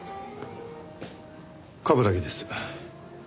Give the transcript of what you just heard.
冠城です。